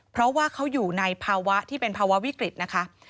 เพราะว่าเขาอยู่ในภาวะที่เป็นภาวะวิกฤตนะคะ